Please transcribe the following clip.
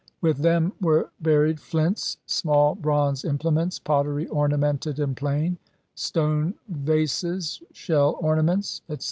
With them were buried flints, small bronze implements, pottery ornamented and plain, stone vases, shell ornaments, etc.